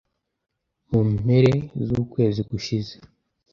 Mu mpere z’ukwezi gushize,